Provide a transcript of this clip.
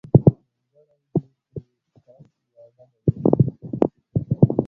درېمګړی بې پرې کس يا ډله وي.